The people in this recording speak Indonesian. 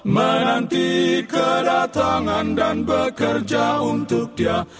menanti kedatangan dan bekerja untuk dia